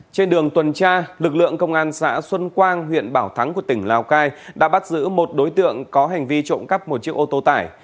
trên đường tuần tra lực lượng công an xã xuân quang huyện bảo thắng của tỉnh lào cai đã bắt giữ một đối tượng có hành vi trộm cắp một chiếc ô tô tải